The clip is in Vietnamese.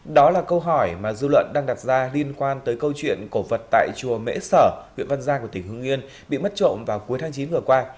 đó là câu hỏi mà dư luận đang đặt ra liên quan tới câu chuyện cổ vật tại chùa mễ sở huyện văn giang của tỉnh hương yên bị mất trộm vào cuối tháng chín vừa qua